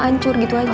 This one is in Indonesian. ancur gitu aja